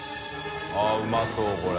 ◆舛うまそうこれ。